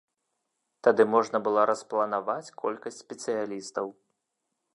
Тады можна было распланаваць колькасць спецыялістаў.